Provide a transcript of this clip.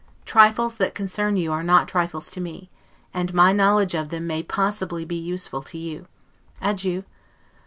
Trifles that concern you are not trifles to me; and my knowledge of them may possibly be useful to you. Adieu.